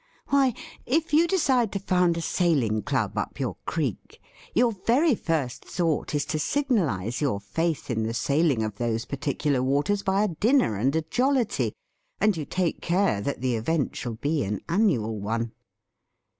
Why, if you decide to found a sailing club up your creek, your very first thought is to sig nalise your faith in the sailing of those particular waters by a dinner and a jollity, and you take care that the event shall be an annual one!